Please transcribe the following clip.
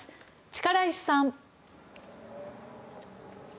力石さん。